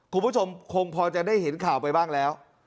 คุณผู้ชมคงพอจะได้เห็นข่าวไปบ้างแล้ว